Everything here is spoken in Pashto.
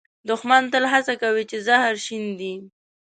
دښمن تل هڅه کوي چې زهر شیندي